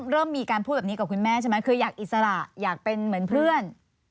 เริ่มมีการพูดแบบนี้กับคุณแม่ใช่ไหมคืออยากอิสระอยากเป็นเหมือนเพื่อน